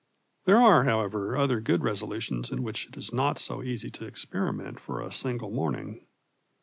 There are, however, other good resolutions in which it is not so easy to experiment for a single morning.